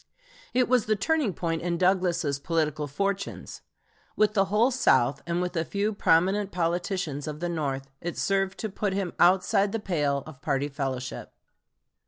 It was the turning point in Douglas's political fortunes. With the whole South, and with a few prominent politicians of the North, it served to put him outside the pale of party fellowship.